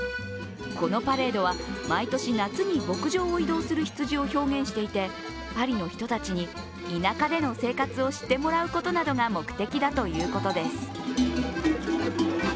このパレードは毎年夏に牧場を移動する羊を表現していてパリの人たちに田舎での生活を知ってもらうことなどが目的だということです。